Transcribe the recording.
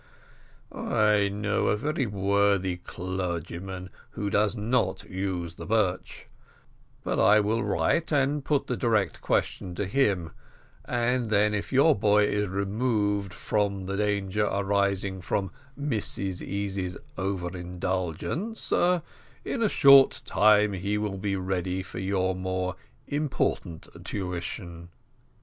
I know a very worthy clergyman who does not use the birch; but I will write, and put the direct question to him; and then if your boy is removed from the danger arising from Mrs Easy's over indulgence, in a short time he will be ready for your more important tuition."